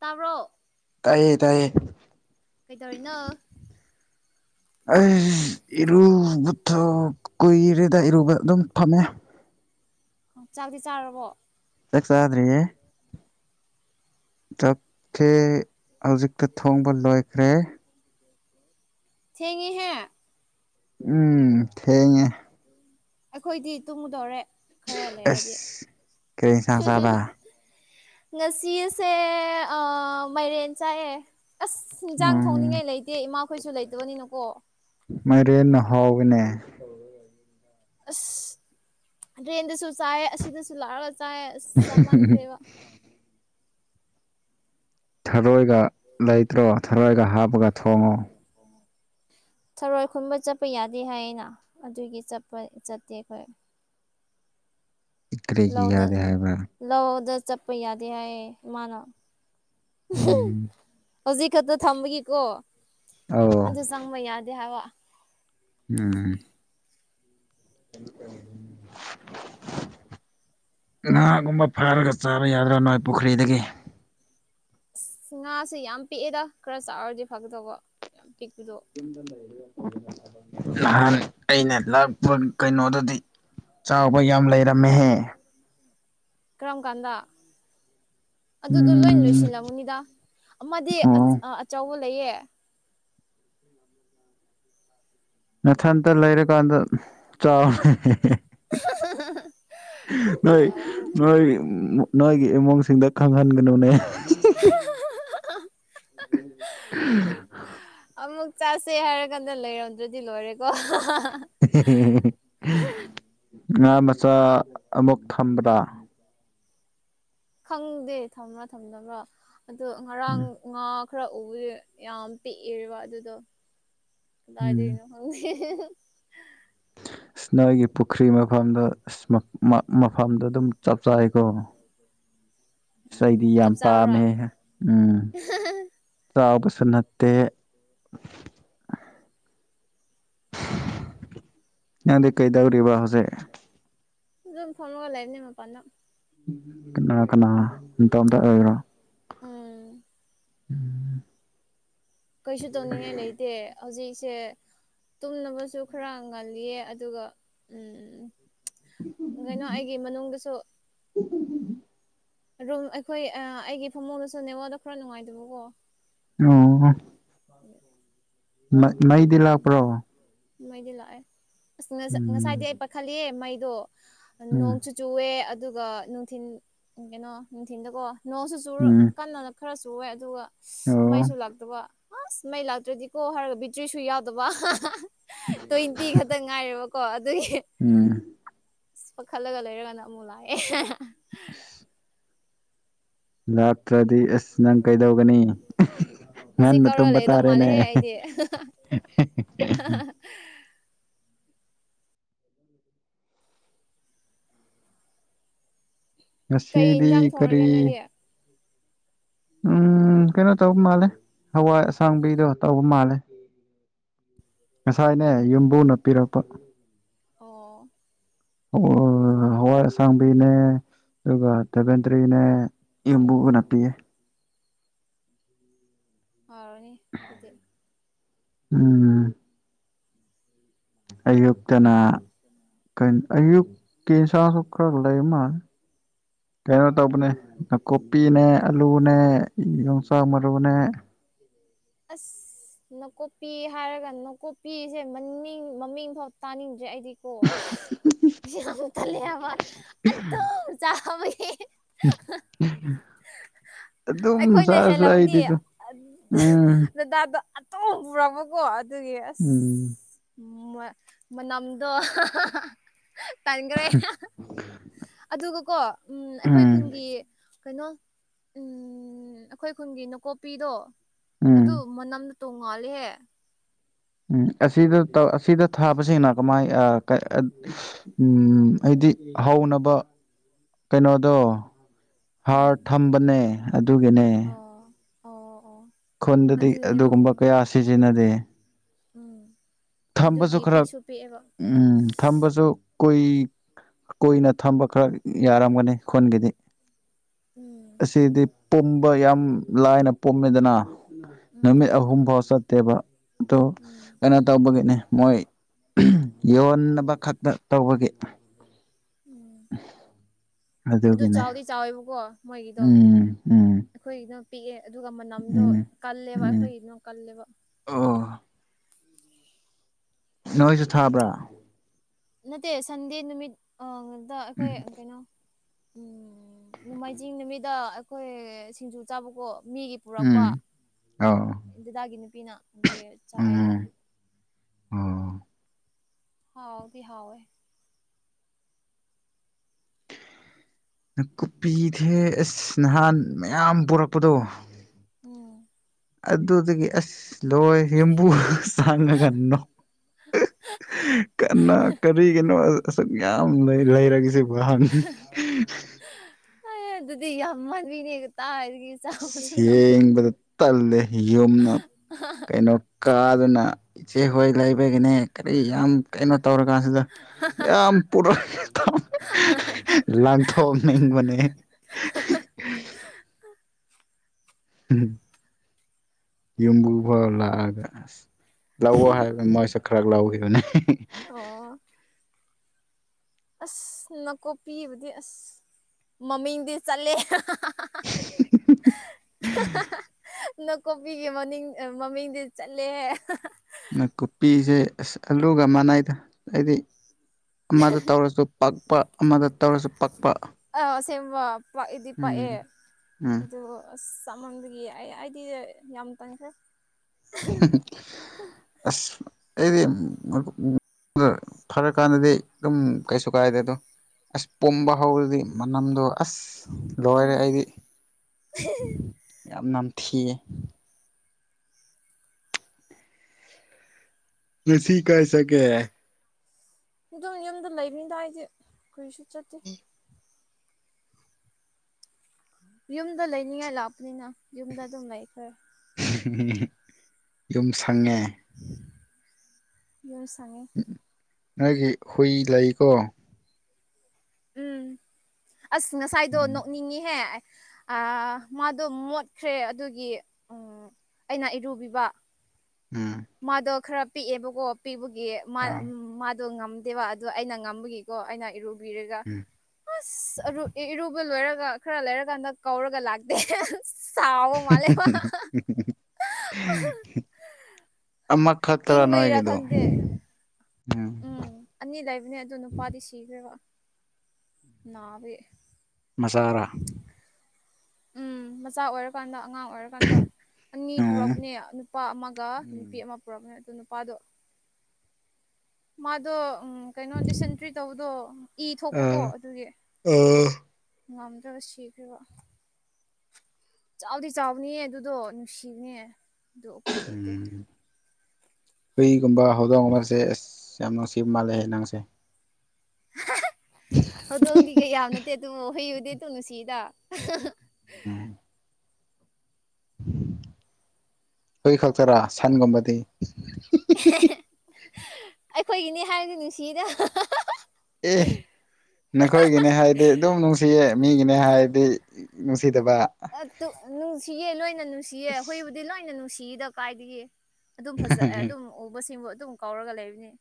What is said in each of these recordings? ꯇꯔꯛ ꯇꯥꯏꯌꯦ ꯇꯥꯏꯌꯦ ꯀꯩꯗꯧꯔꯤꯅꯣ ꯑꯩ ꯏꯔꯨꯕꯊ ꯀꯨꯏꯔꯦꯗ ꯏꯔꯨꯕ ꯑꯗꯨꯝ ꯐꯝꯃꯦ ꯆꯥꯛꯗꯤ ꯆꯥꯔꯕꯣ ꯆꯛꯁꯗꯔꯤꯌꯦ ꯆꯞꯊꯦ ꯍꯧꯖꯤꯛꯇ ꯊꯣꯡꯕ ꯂꯣꯏꯈ꯭ꯔꯦ ꯊꯦꯡꯉꯤꯍꯦ ꯎꯝ ꯊꯦꯡꯉꯦ ꯑꯩꯈꯣꯏꯗꯤ ꯇꯨꯡꯗꯧꯔꯦ ꯑꯦꯁ ꯀꯔꯤꯁ ꯆꯥꯗ ꯉꯁꯤ ꯑꯁꯦ ꯃꯥꯏꯔꯦꯟ ꯆꯥꯏꯑꯦ ꯑꯁ ꯏꯟꯖꯥꯡ ꯎꯝ ꯊꯣꯡꯅꯤꯡꯉꯥꯏ ꯂꯩꯇꯦ ꯏꯃꯥꯈꯣꯏꯁꯨ ꯂꯩꯇꯕꯅꯤꯅꯀꯣ ꯃꯔꯦ ꯅ ꯍꯥꯎꯒꯅꯦ ꯑꯁ ꯗ꯭ꯔꯦꯟꯗꯁꯨ ꯆꯥꯏ ꯑꯁꯤꯗꯁꯨ ꯂꯥꯛꯑꯒ ꯇ ꯁꯃꯥꯟꯈꯦꯕ ꯊꯔꯣꯏꯒ ꯂꯩꯇ꯭ꯔꯣ ꯊꯔꯣꯏꯒ ꯍꯥꯞꯄꯒ ꯊꯣꯡꯉꯣ ꯊꯔꯣꯏ ꯈꯨꯝꯕ ꯆꯠꯄ ꯌꯥꯗꯦ ꯍꯥꯏ ꯑꯅ ꯑꯗꯨꯒꯤꯠꯄ ꯆꯠꯇꯦ ꯑꯩꯈꯣꯏ ꯀꯔꯤꯒꯤ ꯂꯧꯗ ꯌꯥꯗꯦ ꯍꯥꯏꯕ꯭ꯔꯥ ꯂꯧꯗ ꯆꯠꯄ ꯌꯥꯗꯦ ꯍꯥꯏꯌꯦ ꯃꯥꯅ ꯎꯝ ꯍꯧꯖꯤꯛ ꯈꯛꯇ ꯊꯝꯕꯒꯤꯀꯣ ꯑꯧ ꯑꯗꯨ ꯆꯪꯕ ꯌꯥꯗꯦ ꯍꯥꯏꯕ ꯎꯝ [unintelligible] ꯉꯥꯒꯨꯝꯕ ꯐꯥꯔꯒ ꯆꯥꯕ ꯌꯥꯗ꯭ꯔꯥ ꯅꯣꯏ ꯄꯨꯈ꯭ꯔꯤꯗꯒꯤ ꯉꯥꯁꯦ ꯌꯥꯝ ꯄꯤꯛꯑꯦꯗ ꯈꯔ ꯆꯥꯔꯗꯤ ꯐꯒꯗꯧꯕ ꯌꯥꯝ ꯄꯤꯛꯄꯗꯣ ꯅꯍꯥꯟ ꯑꯩꯅ ꯂꯥꯛꯄ ꯀꯩꯅꯣꯗꯨꯗꯤ ꯆꯥꯎꯕ ꯌꯥꯝ ꯂꯩꯔꯝꯃꯦꯍꯦ ꯀꯔꯝꯒꯥꯟꯗ ꯑꯗꯨꯗꯣ ꯂꯣꯏ ꯎꯝ ꯂꯣꯏꯁꯤꯜꯂꯝꯃꯨꯅꯤꯗ ꯑꯃꯗꯤ ꯑꯣ ꯑꯆꯧꯕ ꯂꯩꯌꯦ ꯃꯊꯟꯇ ꯂꯩꯔꯀꯥꯟꯗ ꯆꯥꯎꯔꯦ ꯅꯣꯏ ꯅꯣꯏ ꯅꯣꯏ ꯁꯤꯡꯗ ꯈꯪꯍꯟꯒꯅꯨꯅꯦ ꯑꯟꯏꯟꯇꯦꯜꯂꯤꯖꯦꯕꯜ ꯑꯃꯨꯛ ꯆꯥꯁꯦ ꯍꯥꯏꯔ ꯀꯥꯟꯗ ꯂꯩꯔꯝꯗ꯭ꯔꯗꯤ ꯂꯣꯏꯔꯦꯀꯣ ꯑꯍꯝꯍꯝꯍꯝ ꯉꯥ ꯃꯆꯥ ꯑꯃꯨꯛ ꯊꯝꯕ꯭ꯔꯥ ꯈꯪꯗꯦ ꯊꯝꯕ꯭ꯔꯥ ꯊꯝꯗꯕ꯭ꯔꯥ ꯑꯗꯣ ꯉꯔꯥꯡ ꯉꯥꯛ ꯈꯔ ꯎꯕꯗ ꯌꯥꯝ ꯄꯤꯛꯑꯦꯕ ꯑꯗꯨꯗꯣ ꯎꯝ ꯀꯗꯥꯏꯗꯩꯅꯣ ꯈꯪꯗꯦ ꯑꯟꯑꯣꯗꯤꯕꯜ ꯁ ꯅꯣꯏꯒꯤ ꯄꯨꯈ꯭ꯔꯤ ꯃꯐꯝꯗꯣ ꯑꯁ ꯃ ꯃ ꯃꯐꯝꯗꯣ ꯑꯗꯨꯝ ꯆꯞ ꯆꯥꯏꯀꯣ ꯑꯟꯑꯣꯗꯤꯕꯜ ꯏꯁꯩꯗꯤ ꯌꯥꯝ ꯄꯥꯝꯃꯦ ꯎꯝ ꯆꯥꯕꯁ ꯁꯨ ꯅꯠꯇꯦ ꯅꯪꯗꯤ ꯀꯩꯗꯧꯔꯤꯕ ꯍꯧꯖꯤꯛ ꯑꯗꯨꯝ ꯐꯝꯒ ꯂꯩꯔꯤꯅꯤ ꯃꯄꯥꯟꯗ ꯀꯅꯥ ꯀꯅꯥ ꯅꯇꯣꯝꯇ ꯂꯩꯔꯤꯔꯣ ꯎꯝ ꯑꯟꯑꯣꯗꯤꯕꯜ ꯀꯩꯁꯨ ꯇꯧꯅꯤꯡꯉꯥꯏ ꯂꯩꯇꯦ ꯍꯧꯖꯤꯛꯁꯦ ꯇꯨꯝꯅꯕꯁꯨ ꯈꯔ ꯉꯜꯂꯤꯌꯦ ꯑꯗꯨꯒ ꯀꯩꯅꯣ ꯑꯩꯒꯤ ꯃꯅꯨꯡꯗꯁꯨ ꯔꯨꯝ ꯑꯩꯈꯣꯏ ꯑ ꯑꯩꯒꯤ ꯐꯃꯨꯡꯗꯁꯨ ꯅꯦꯋꯥꯗꯣ ꯈꯔ ꯅꯨꯡꯉꯥꯏꯇꯕꯀꯣ ꯑꯣ ꯃ ꯃꯩꯗꯤ ꯂꯥꯛꯄ꯭ꯔꯣ ꯃꯩꯗꯤ ꯂꯥꯛꯑꯦ ꯑꯁ ꯉꯁꯥꯏꯗꯤ ꯎꯝ ꯑꯩ ꯄꯥꯈꯠꯂꯤꯍꯦ ꯃꯩꯗꯣ ꯎꯝ ꯅꯣꯡꯁꯨꯨ ꯆꯨꯋꯦ ꯑꯗꯨꯒ ꯅꯨꯡꯊꯤꯟ ꯀꯩꯅꯣ ꯅꯨꯡꯊꯤꯟꯗꯣꯀꯣ ꯅꯣꯡꯁꯨ ꯆꯨꯔꯥ ꯎꯝ ꯀꯟꯅ ꯈꯔ ꯆꯨꯏꯌꯦ ꯑꯗꯨꯒ ꯑꯣ ꯃꯩꯁꯨ ꯂꯥꯛꯇꯕ ꯑꯁ ꯃꯩ ꯂꯥꯛꯇ꯭ꯔꯗꯤꯀꯣ ꯍꯥꯏꯔꯒ ꯕꯤꯇ꯭ꯔꯤꯁꯨ ꯌꯥꯎꯗꯕ ꯇ꯭ꯋꯦꯟꯇꯤ ꯈꯛꯇꯪ ꯉꯥꯏꯔꯦꯕ ꯎꯝ ꯑ ꯄꯥꯈꯠꯂꯒ ꯂꯩꯔꯒꯅ ꯑꯃꯨꯛ ꯂꯥꯛꯑꯦ ꯑꯟꯑꯣꯗꯤꯕꯜ ꯂꯥꯛꯇ꯭ꯔꯗꯤ ꯑꯁ ꯅꯪ ꯀꯩꯗꯧꯒꯅꯤ ꯍꯧꯖꯤꯛ ꯉꯟꯅ ꯀꯧꯔ ꯇꯨꯝꯕ ꯂꯩꯗꯧ ꯇꯥꯔꯦꯅꯦ ꯃꯥꯜꯂꯦꯍꯦ ꯑꯩꯗꯤ ꯀꯩ ꯉꯁꯤꯗꯤ ꯏꯟꯖꯥꯡ ꯀꯔꯤ ꯊꯣꯡꯔꯒꯦ ꯅꯣꯏꯗꯤ ꯎꯝ ꯀꯩꯅꯣ ꯇꯧꯕ ꯃꯥꯜꯂꯦ ꯍꯋꯥꯏ ꯑꯁꯥꯡꯕꯤꯗꯣ ꯇꯧꯕ ꯃꯥꯜꯂꯦ ꯉꯁꯥꯏꯅꯦ ꯌꯨꯝꯕꯨꯅ ꯄꯤꯔꯛꯄ ꯑꯣ ꯍꯧ ꯑ ꯍꯋꯥꯏ ꯑꯁꯥꯡꯕꯤꯅꯦ ꯑꯗꯨꯒ ꯕꯦꯂꯦꯟꯇ꯭ꯔꯤꯅꯦ ꯑꯣ ꯌꯨꯝꯕꯨꯅꯄꯤꯌꯦ ꯍꯥꯎꯔꯅꯦ ꯑꯗꯨꯗꯤ ꯎꯝ ꯑꯌꯨꯛ ꯇꯅꯥ ꯀ ꯑꯌꯨꯛꯀꯤ ꯏꯟꯁꯥꯁꯨ ꯈꯔ ꯂꯩ ꯃꯥꯜꯂꯦ ꯀꯩꯅꯣ ꯇꯧꯕꯅꯦ ꯅꯥꯀꯨꯞꯄꯤꯅꯦ ꯑꯂꯨꯅꯦ ꯌꯣꯡꯁꯥꯛ ꯃꯔꯨꯅꯦ ꯑꯁ ꯅꯀꯣꯛ ꯄꯤ ꯍꯥꯏꯔꯒ ꯅꯥꯀꯨꯞꯄꯤꯁꯦ ꯃꯅꯤꯡ ꯃꯃꯤꯡ ꯐꯥꯎ ꯇꯥꯅꯤꯡꯗ꯭ꯔꯦ ꯑꯩꯗꯤ ꯀꯣ ꯑꯁ ꯌꯥꯝ ꯇꯜꯂꯦ ꯍꯥꯏꯕ ꯑꯗꯨꯝ ꯆꯥꯕꯒꯤ ꯍꯝ ꯑꯩꯈꯣꯏꯅ ꯍꯦꯜꯂꯕꯗꯤ ꯎꯝ ꯑꯗ ꯑꯗꯨꯝ ꯄꯨꯔꯛꯄꯀꯣ ꯑꯗꯨꯒꯤ ꯑꯁ ꯎꯝ ꯃ ꯃꯅꯥꯝꯗꯣ ꯇꯥꯟꯒꯔꯦ ꯍꯍ ꯑꯗꯨꯒ ꯀꯣ ꯎꯝ ꯑꯩꯈꯣꯏ ꯈꯨꯟꯒꯤ ꯀꯩꯅꯣ ꯑꯝ ꯑꯩꯈꯣꯏ ꯈꯨꯟꯒꯤ ꯅꯀꯣꯞꯄꯤꯗꯣ ꯎꯝ ꯑꯗꯨ ꯃꯅꯝ ꯇꯣꯡꯉꯂꯦ ꯍꯦ ꯎꯝ ꯑꯁꯤꯗ ꯑꯁꯤꯗ ꯊꯥꯕꯁꯤꯡꯅ ꯀꯃꯥꯏ ꯎꯝ ꯗꯤ ꯍꯧꯅꯕ ꯀꯩꯅꯣꯗꯣ ꯍꯥꯔ ꯎꯝ ꯊꯝꯕꯅꯦ ꯑꯗꯨꯒꯤꯅꯦ ꯑꯣ ꯑꯣ ꯑꯣ ꯈꯨꯟꯗꯗꯤ ꯑꯗꯨꯒꯤꯅꯦ ꯑꯗꯨꯒꯨꯝꯕ ꯀꯌꯥ ꯁꯤꯖꯤꯟꯅꯗꯦ ꯎꯝ ꯊꯥꯁꯨ ꯑꯗꯨꯒꯤ ꯈꯔ ꯄꯤꯛꯁꯨ ꯄꯤꯛꯑꯦꯕ ꯎꯝ ꯊꯝꯕꯁꯨ ꯀꯨꯏꯅ ꯊꯝꯕ ꯈꯔ ꯌꯥꯔꯝꯒꯅꯤ ꯈꯨꯟꯒꯤꯗꯤ ꯎꯝ ꯑꯁꯤꯗꯤ ꯄꯨꯝꯕ ꯌꯥꯝ ꯂꯥꯏꯅ ꯄꯨꯝꯃꯦꯗꯅ ꯅꯨꯃꯤꯠ ꯎꯝ ꯑꯍꯨꯝ ꯐꯥꯎ ꯆ ꯅꯠꯇꯦꯕ ꯑꯣ ꯎꯝ ꯀꯩꯅꯣ ꯇꯧꯕꯒꯤꯅꯦ ꯃꯣꯏ ꯌꯣꯟꯅꯕ ꯈꯛꯇ ꯇꯧꯕꯒꯤ ꯎꯝ ꯑꯗꯨ ꯑꯗꯨꯒꯤꯅꯦ ꯆꯥꯎꯗꯤ ꯆꯥꯎꯋꯦꯕꯀꯣ ꯃꯣꯏꯒꯤꯗꯣ ꯎꯝ ꯎꯝ ꯑꯩꯈꯣꯏꯒꯤꯗ ꯄꯤꯛꯑꯦ ꯑꯗꯨꯒ ꯃꯅꯝꯗꯣ ꯎꯝ ꯀꯜꯂꯦꯕ ꯎꯝ ꯑꯩꯈꯣꯏꯒꯤꯅꯣ ꯀꯜꯂꯦꯕ ꯑꯣ ꯅꯣꯏꯁꯨ ꯊꯥꯕ꯭ꯔꯥ ꯅꯠꯇꯦ ꯁꯟꯗꯦ ꯅꯨꯃꯤꯠꯗ ꯑꯩꯈꯣꯏ ꯎꯝ ꯀꯩꯅꯣ ꯎꯝ ꯅꯣꯡꯃꯥꯏꯖꯤꯡ ꯅꯨꯃꯤꯠꯇ ꯑꯩꯈꯣꯏ ꯁꯤꯡꯖꯨ ꯆꯥꯕꯀꯣ ꯃꯤꯒꯤ ꯎꯝ ꯄꯨꯔꯛꯄ ꯑꯣ ꯗꯥꯒꯤ ꯅꯨꯄꯤꯅ ꯑꯗꯨ ꯆꯥꯏꯌꯦꯕ ꯎꯝ ꯑꯣ ꯍꯥꯎꯕꯤ ꯍꯥꯎꯦ [unintelligible] ꯀꯨꯞꯄꯤ ꯊꯦ ꯑꯁ ꯅꯍꯥꯟ ꯃꯌꯥꯝ ꯄꯨꯣꯔꯛꯄꯗꯣ ꯎꯝ ꯑꯗꯨꯗꯒꯤ ꯑꯁ ꯂꯣꯏ ꯌꯦꯝꯕꯨ ꯁꯥꯡꯉ ꯀꯟꯅꯣ ꯀꯅꯥ ꯀꯔꯤꯒꯤꯅꯣ ꯑꯁꯨꯛ ꯌꯥꯝ ꯂꯩ ꯂꯩꯔꯒꯁꯦ ꯍꯥꯟ ꯍ ꯑꯗꯨꯗꯤ ꯌꯥꯝ ꯃꯥꯟꯕꯤꯅꯦ ꯇꯥꯔꯒꯤ ꯆꯥꯎꯥꯛꯁꯨ ꯑꯁ ꯌꯦꯡꯕꯗ ꯇꯜꯂꯦ ꯌꯨꯝꯅ ꯀꯩꯅꯣ ꯀꯥꯗꯨꯅ ꯏꯆꯦꯍꯣꯏ ꯂꯩꯕꯒꯤꯅꯦ ꯀꯔꯤ ꯌꯥꯝ ꯀꯩꯅꯣ ꯇꯧꯔꯀꯥꯟꯁꯤꯗ ꯌꯥꯝ ꯄꯨꯔꯛꯏ ꯊꯣ ꯃꯅꯦ [unintelligible] ꯌꯨꯝꯕꯨꯨꯚꯥꯎ ꯂꯥꯛꯒ ꯂꯧꯑꯣ ꯍꯥꯏꯕꯅꯤ ꯃꯣꯏꯁꯨ ꯈꯔ ꯂꯧꯈꯤꯕꯅꯤ ꯑꯣ ꯑꯁ ꯀꯨꯞꯄꯤꯕꯨꯗꯤ ꯑꯁ ꯃꯃꯤꯡꯗꯤ ꯆꯠꯂꯦ [unintelligible] ꯅꯥꯀꯣꯄꯤꯒꯤ ꯃꯅꯤꯡꯡ ꯃꯃꯤꯡꯗꯤ ꯆꯠꯂꯦ ꯅ ꯀꯨꯞꯄꯤꯁꯦ ꯑꯁ ꯑꯂꯨꯒ ꯃꯅꯥꯏꯗ ꯍꯥꯏꯗꯤ ꯑꯃꯗ ꯇꯧꯔꯁꯨ ꯄꯛꯄ ꯑꯃꯗ ꯇꯧꯔꯁꯨ ꯄꯛꯄ ꯑꯥꯁꯦꯡꯕ ꯄꯥꯛꯏꯗꯤ ꯄꯥꯛꯑꯦ ꯎꯝ ꯎꯝ ꯑꯗꯨ ꯑꯁ ꯆꯞ ꯃꯝꯒꯤ ꯑꯩ ꯑꯩꯗꯤ ꯌꯥꯝ ꯇꯟꯈ꯭ꯔꯦ ꯑꯁ ꯑꯩꯗꯤ ꯐꯔ ꯀꯥꯟꯗꯗꯤ ꯑꯗꯨꯝ ꯀꯩꯁꯨ ꯀꯥꯏꯗꯦ ꯑꯗꯣ ꯑꯁ ꯄꯣꯝꯕ ꯍꯧꯔꯗꯤ ꯃꯅꯝꯗꯣ ꯑꯁ ꯂꯣꯏꯔꯦ ꯎꯝ ꯑꯩꯗꯤ ꯌꯥꯝ ꯅꯝꯊꯤꯌꯦ ꯀꯁꯤ ꯀꯩꯁ ꯀꯦ ꯑꯗꯨꯝ ꯌꯨꯝꯗ ꯂꯩꯕꯤꯗꯥꯏꯗꯤ ꯀꯨꯔꯤꯁꯨ ꯆꯠꯇꯦ ꯌꯨꯝꯗ ꯂꯩꯅꯤꯡꯉꯥꯏ ꯂꯥꯛꯄꯅꯤꯅ ꯌꯨꯝꯗ ꯑꯗꯨꯝ ꯂꯩꯈ꯭ꯔꯦ ꯌꯨꯝ ꯁꯪꯉꯦ ꯌꯦꯔꯁꯉꯦ ꯅꯪꯒꯤ ꯍꯨꯏ ꯂꯩꯀꯣ ꯎꯝ ꯑꯁ ꯉꯁꯥꯏꯗꯣ ꯎꯝ ꯅꯣꯛꯅꯤꯡꯉꯍꯦ ꯑ ꯃꯥꯗꯣ ꯃꯣꯠꯈ꯭ꯔꯦ ꯑꯗꯨꯒꯤ ꯑꯥ ꯑꯩꯅ ꯏꯔꯨꯕꯤꯕ ꯎꯝ ꯃꯥꯗꯣ ꯈꯔ ꯄꯤꯛꯑꯦꯕꯀꯣ ꯄꯤꯛꯄꯒꯤ ꯌꯥꯝ ꯑꯗꯣ ꯉꯝꯗꯦꯕ ꯑꯗꯣ ꯑꯩꯅ ꯉꯝꯕꯒꯤꯀꯣ ꯑꯩꯅ ꯏꯔꯨ ꯕꯤꯔꯒ ꯎꯝ ꯑꯁ ꯏꯔꯨꯕ ꯂꯣꯏꯔꯒ ꯈꯔ ꯂꯩꯔꯀꯥꯟꯗ ꯀꯧꯔꯒ ꯂꯥꯛꯇꯦ ꯁꯥꯎꯕ ꯃꯥꯜꯂꯦ ꯃꯥ ꯑꯃꯈꯛꯇꯔ ꯏꯪꯕꯩꯔꯥ ꯅꯣꯏꯒꯤꯗꯣ ꯈꯪꯗꯦ ꯎꯝ ꯑꯅꯤ ꯂꯩꯕꯅꯦ ꯑꯗꯣ ꯅꯨꯄꯥꯗꯤ ꯁꯤꯈ꯭ꯔꯦꯕ ꯅꯥꯕꯩ ꯃꯆꯥꯔꯥ ꯎꯝ ꯃꯆꯥ ꯑꯣꯏꯔꯀꯥꯟꯗ ꯑꯉꯥꯡ ꯑꯣꯏꯔꯀꯥꯟꯗ ꯑꯅꯤ ꯎꯝ ꯄꯨꯔꯛꯄꯅꯦ ꯅꯨꯄꯥ ꯑꯃꯒ ꯅꯨꯄꯤ ꯑꯃ ꯄꯨꯔꯛꯄꯅꯦ ꯑꯗꯨ ꯄꯥꯗꯣ ꯃꯥꯗꯣ ꯎꯝ ꯀꯩꯅꯣ ꯗꯤꯁꯦꯟꯇ꯭ꯔꯤ ꯇꯧꯕꯗꯣ ꯏ ꯊꯣꯛꯄꯀꯣ ꯑꯥ ꯑꯥ ꯑꯗꯨꯒꯤ ꯉꯝꯗ꯭ꯔꯒ ꯁꯤꯈ꯭ꯔꯤꯕ ꯆꯥꯎꯗꯤ ꯆꯥꯎꯕꯅꯦ ꯑꯗꯨꯗꯣ ꯅꯨꯡꯁꯤꯕꯅꯦ ꯑꯗꯣ ꯎꯄꯥꯏ ꯂꯩꯇꯦ ꯎꯝ ꯍꯨꯏꯒꯨꯝꯕ ꯍꯧꯗꯣꯡꯒꯨꯝꯕꯥꯁꯦ ꯑꯁ ꯌꯥꯝ ꯅꯨꯡꯁꯤꯕ ꯃꯥꯜꯂꯦ ꯅꯪꯁꯦ ꯍꯧꯗꯣꯡꯗꯤ ꯀꯩꯌꯥ ꯌꯥꯟꯅꯗꯦ ꯑꯗꯨꯕꯨ ꯍꯨꯏꯕꯨꯗꯤ ꯑꯗꯨꯝ ꯅꯨꯡꯁꯤꯗ ꯎꯝ ꯍꯨꯏ ꯈꯛꯇꯔꯥ ꯁꯟꯒꯨꯝꯕꯗꯤ ꯑꯩꯈꯣꯏꯒꯤꯅꯦ ꯍꯥꯏꯔꯗꯤ ꯅꯨꯡꯁꯤꯌꯦꯗ ꯑꯦ ꯅꯈꯣꯏꯒꯤꯅꯦ ꯍꯥꯏꯗꯤ ꯑꯗꯨꯝ ꯅꯨꯡꯁꯤꯌꯦ ꯃꯤꯒꯤꯅꯦ ꯍꯥꯏꯗꯤ ꯅꯨꯡꯁꯤ ꯁꯤꯗꯕ ꯅꯨꯡꯁꯤꯌꯦ ꯂꯣꯏꯅ ꯅꯨꯡꯁꯤꯌꯦ ꯍꯨꯏꯕꯨꯗꯤ ꯂꯣꯏꯅ ꯅꯨꯡꯁꯤꯗ ꯀꯥꯏꯗꯒꯤ ꯑꯗꯨꯝ ꯐꯖꯩꯌꯦ ꯑꯗꯨꯝ ꯎꯕꯁꯤꯡꯕꯨ ꯑꯗꯨꯝ ꯀꯧꯔꯒ ꯂꯩꯕꯅꯦ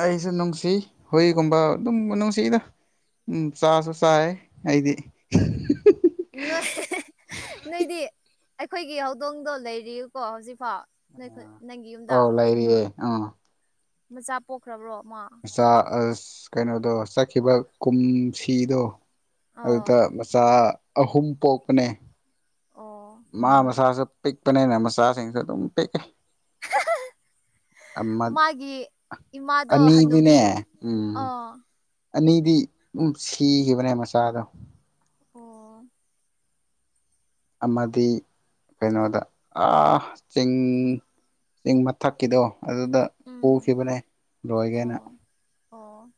ꯑꯩꯁꯨ ꯅꯨꯡꯁꯤ ꯍꯨꯏꯒꯨꯝꯕ ꯑꯗꯨꯝ ꯅꯨꯡꯁꯤꯗ ꯎꯝ ꯆꯥꯁꯨ ꯆꯥꯌꯦ ꯑꯩꯗꯤ ꯅꯣꯏ ꯅꯣꯏꯗꯤ ꯑꯩꯈꯣꯏꯒꯤ ꯍꯧꯗꯣꯡꯗꯣ ꯂꯩꯔꯤꯕꯥꯀꯣ ꯍꯧꯖꯤꯛ ꯐꯥꯎ ꯅꯣꯏꯈꯣꯏ ꯅꯪꯒꯤ ꯌꯨꯝꯗ ꯑꯧ ꯂꯩꯔꯤꯌꯦ ꯑꯥ ꯃꯆꯥ ꯄꯣꯛꯈ꯭ꯔꯕꯥꯔꯣ ꯃꯆꯥ ꯑꯁ ꯀꯩꯅꯣꯗꯣ ꯆꯠꯈꯤꯕ ꯀꯨꯝꯁꯤꯗꯣ ꯑꯗꯨꯗ ꯑꯣ ꯃꯆꯥ ꯑꯍꯨꯝ ꯄꯣꯛꯄꯅꯦ ꯑꯣ ꯃꯥ ꯃꯁꯥꯁꯨ ꯄꯤꯛꯄꯅꯤꯅ ꯃꯆꯥꯁꯤꯡꯁꯨ ꯑꯗꯨꯝ ꯄꯤꯛꯑꯦ [unintelligible] ꯑꯃ ꯃꯥꯒꯤ ꯏꯃꯥꯗꯣ ꯍꯟꯅꯨꯕꯤ ꯑꯅꯤꯗꯤꯅꯦ ꯑ ꯎꯝ ꯑꯅꯤꯗꯤ ꯑꯗꯨꯝ ꯁꯤꯈꯤꯕꯅꯦ ꯃꯆꯥꯗꯣ ꯑꯣ ꯑꯃꯗꯤ ꯀꯩꯅꯣꯗ ꯑꯥ ꯆꯤꯡ ꯆꯤꯡ ꯃꯊꯛꯀꯤꯗꯣ ꯑꯗꯨꯗ ꯎꯝ ꯄꯨꯈꯤꯕꯅꯦ ꯂꯣꯏꯒꯦꯅ ꯑꯣ ꯑꯣ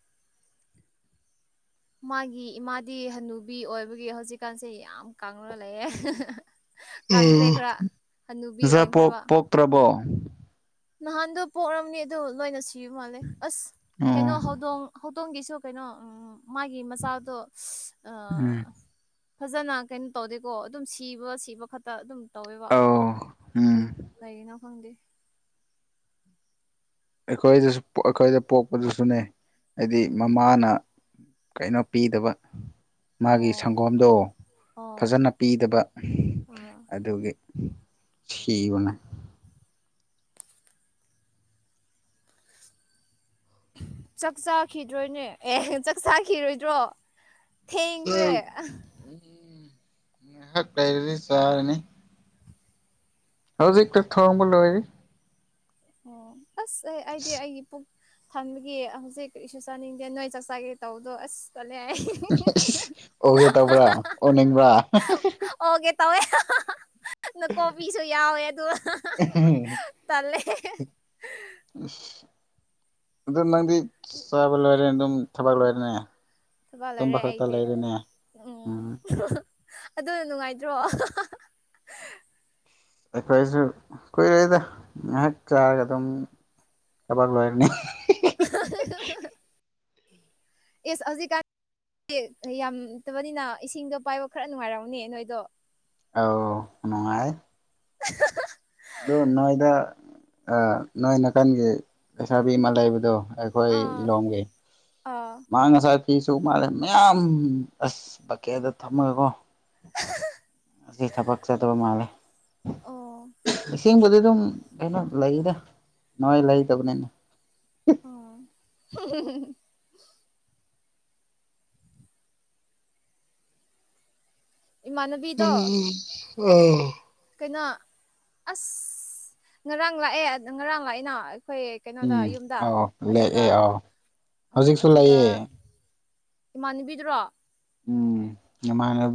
ꯃꯥꯒꯤ ꯏꯃꯥꯗꯤ ꯍꯟꯅꯨꯕꯤ ꯑꯣꯏꯕꯒꯤ ꯍꯧꯖꯤꯛꯀꯥꯟꯁꯦ ꯌꯥꯝ ꯀꯪꯉꯥꯒ ꯂꯩꯑꯦ ꯃꯆꯥ ꯄꯣꯛ ꯑꯣꯟꯈ꯭ꯔꯦꯕ ꯄꯣꯛꯄꯇ꯭ꯔꯕꯣ ꯅꯍꯥꯟꯗꯣ ꯄꯣꯛꯑꯝꯃꯦ ꯑꯗꯣ ꯂꯣꯏꯅ ꯁꯤꯕꯥ ꯃꯥꯜꯂꯦ ꯑꯁ ꯀꯩꯅꯣ ꯑꯣ ꯍꯧꯗꯣꯡ ꯑꯗꯣꯝꯒꯤꯁꯨ ꯀꯩꯅꯣ ꯃꯥꯒꯤ ꯃꯆꯥꯗꯣ ꯎꯝ ꯐꯖꯅ ꯀꯩꯅꯣ ꯇꯧꯗꯦꯀꯣ ꯑꯗꯨꯝ ꯁꯤꯕ ꯁꯤꯕ ꯈꯛꯇ ꯑꯗꯨꯝ ꯇꯧꯋꯦꯕ ꯑꯧ ꯎꯝ ꯀꯩꯒꯤꯅꯣ ꯈꯪꯗꯦ ꯑꯩꯈꯣꯏꯗꯁꯨ ꯑꯩꯈꯣꯏꯗ ꯄꯣꯛꯄꯗꯨꯁꯨꯅꯦ ꯍꯥꯏꯗꯤ ꯎꯝ ꯃꯃꯥꯅ ꯀꯩꯅꯣ ꯄꯤꯗꯕ ꯃꯥꯒꯤ ꯑꯣ ꯁꯪꯒꯣꯝꯗꯣ ꯑꯣ ꯐꯖꯅ ꯄꯤꯗꯕ ꯑꯥ ꯑꯗꯨꯒꯤ ꯁꯤꯅ ꯆꯥꯛ ꯆꯥꯈꯤꯗ꯭ꯔꯣꯏꯅꯦ ꯑꯦ ꯆꯥꯛ ꯆꯥꯈꯤꯔꯣꯏꯗ꯭ꯔꯣ ꯊꯦꯡꯈ꯭ꯔꯦ ꯉꯍꯥꯛ ꯂꯩꯔꯗꯤ ꯆꯔꯥꯅꯤ ꯍꯧꯖꯤꯛꯛꯇ ꯊꯣꯡꯕ ꯂꯣꯦ ꯑꯣ ꯑꯁ ꯑꯩ ꯑꯩꯗꯤ ꯑꯩꯒꯤ ꯊꯟꯕꯒꯤ ꯍꯧꯖꯤꯛ ꯏꯁꯨ ꯆꯥꯅꯤꯡꯗꯦ ꯅꯣꯏ ꯆꯥꯛ ꯆꯥꯒꯦ ꯇꯧꯕꯗꯣ ꯑꯁ ꯀ ꯑꯣꯒꯦ ꯇꯧꯕ꯭ꯔꯥ ꯑꯣꯅꯤꯡꯕ꯭ꯔꯥ ꯑꯣꯀꯦ ꯇꯋꯦ ꯅ ꯀꯣꯄꯤꯁꯨ ꯌꯥꯎꯋꯦ ꯑꯗꯨꯒ ꯇꯜꯂꯦ ꯑ [unintelligible] [inaudible] ꯑꯗꯨꯝ ꯅꯪꯗꯤ ꯆꯥꯕ ꯂꯣꯏꯔꯦ ꯑꯗꯨꯝ ꯊꯕꯛ ꯂꯣꯏꯔꯦꯅꯦ ꯇꯨꯝꯕ ꯐꯂꯔꯦ ꯈꯛꯇ ꯑꯩꯗꯤ ꯂꯩꯔꯦꯅꯦ ꯎꯝ ꯑꯗꯨꯅ ꯅꯨꯡꯉꯥꯏꯇ꯭ꯔꯣ ꯑꯩꯈꯣꯏꯁꯨ ꯀꯨꯏꯔꯩꯗ ꯉꯥꯏꯍꯥꯛ ꯆꯥꯔꯒ ꯑꯗꯨꯝ ꯀꯕꯥꯛ ꯂꯣꯏꯅꯤ ꯏꯁ ꯍꯧꯖꯤꯛ ꯀꯟ ꯌꯥꯝꯗꯕꯅꯤꯅ ꯏꯁꯤꯡꯗꯣ ꯄꯥꯏꯕ ꯈꯔ ꯅꯨꯡꯉꯥꯏꯔꯥꯎꯅꯦ ꯅꯣꯏꯗꯣ ꯑꯥꯎ ꯅꯨꯡꯉꯥꯏ [unintelligible] [inaudible] ꯑꯗꯣ ꯅꯣꯏꯗ ꯅꯣꯏ ꯅꯥꯀꯥꯟꯒꯤ ꯄꯩꯁꯥꯕꯤ ꯏ ꯑꯃꯥ ꯂꯩꯕꯗꯣ ꯑꯩꯈꯣꯏ ꯑꯥ ꯂꯤꯂꯣꯡꯝꯒꯤ ꯑ ꯑꯥ ꯃꯥ ꯉꯁꯥꯏ ꯐꯤꯁꯨ ꯃꯥꯜꯂꯦ ꯃꯌꯥꯝ ꯑꯁ ꯕꯛꯀꯦꯗ ꯊꯝꯃꯒꯀꯣ [unintelligible] [inaudible] ꯊꯄꯛ ꯆ ꯇ ꯃꯥꯂꯦ ꯑꯣ ꯁꯤ ꯑꯗꯨꯝ ꯀꯩꯅꯣ ꯂꯩꯗ ꯅꯣꯏ ꯂꯩꯇꯕꯅꯤꯅ ꯑꯣ [unintelligible] [inaudible] ꯏꯃꯥꯟꯅꯕꯤꯗꯣ ꯎꯝ [unintelligible] [inaudible] ꯅ ꯑꯁ ꯉꯔꯥꯡ ꯂꯥꯛꯑꯦ ꯉꯔꯥꯡ ꯂꯥꯛꯏꯅ ꯑꯩꯈꯣꯏ ꯀꯩꯅꯣꯗ ꯎꯝ ꯌꯨꯝꯗ ꯑꯥꯎ ꯑꯗꯨꯒ ꯂꯩꯑꯦ ꯑꯥꯎ ꯍꯧꯖꯤꯛꯁꯨ ꯑꯗꯨꯒ ꯂꯩꯑꯦ ꯏꯃꯥꯟꯅꯕꯤꯗꯨ꯭ꯔꯣ ꯎꯝ ꯌꯥꯝꯃꯅꯕꯤ